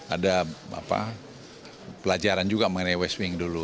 ada pelajaran juga mengenai west wing dulu